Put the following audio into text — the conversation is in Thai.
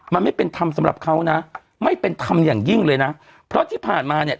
มันไม่เป็นธรรมสำหรับเขานะไม่เป็นธรรมอย่างยิ่งเลยนะเพราะที่ผ่านมาเนี่ย